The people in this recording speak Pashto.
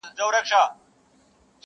ټوله ژوند مي سترګي ډکي له خیالونو!